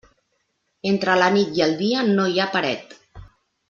Entre la nit i el dia no hi ha paret.